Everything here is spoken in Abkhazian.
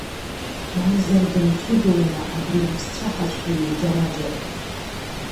Мамзар дымчыдоума абри аԥсцәаҳаҵәҟьагьы џьара-џьара?